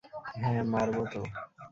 হ্যাঁ, মারব তো।